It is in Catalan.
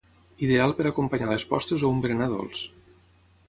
Ideal per acompanyar les postres o un berenar dolç.